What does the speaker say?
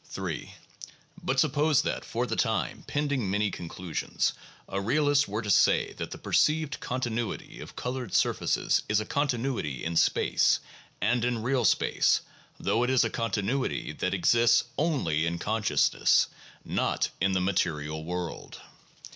3. But suppose that for the time, pending many conclusions, a realist were to say that the perceived continuity of colored surfaces is a continuity in space and in real space, though it is a continuity that exists only in consciousness, not in the material world.